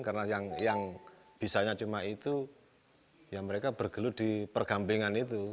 karena yang bisanya cuma itu ya mereka bergelut di pergampingan itu